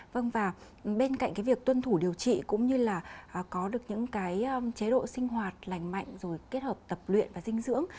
vâng và bên cạnh cái việc tuân thủ điều trị cũng như là có được những cái chế độ sinh hoạt lành mạnh rồi kết hợp tập luyện và dinh dưỡng